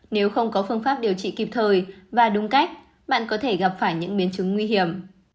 nếu không có phương pháp điều trị kịp thời và đúng cách bạn có thể gặp phải những biến chứng nguy hiểm